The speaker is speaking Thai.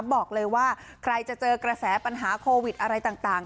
บอกเลยว่าใครจะเจอกระแสปัญหาโควิดอะไรต่าง